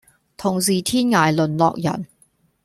同是天涯淪落人